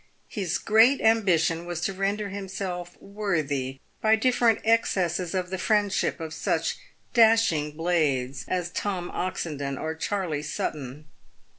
His great ambition was to render himself worthy by different excesses of the friendship of such dashing blades as Tom Oxendon or Charley Sutton.